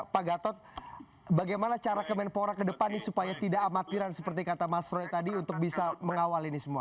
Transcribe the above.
pak gatot bagaimana cara kemenpora ke depan ini supaya tidak amatiran seperti kata mas roy tadi untuk bisa mengawal ini semua